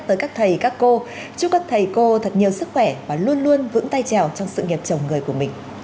tới các thầy các cô chúc các thầy cô thật nhiều sức khỏe và luôn luôn vững tay trèo trong sự nghiệp chồng người của mình